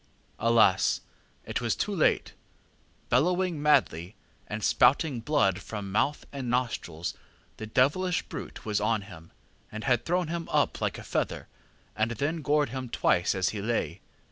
ŌĆ£Alas! it was too late. Bellowing madly, and spouting blood from mouth and nostrils, the devilish brute was on him, and had thrown him up like a feather, and then gored him twice as he lay.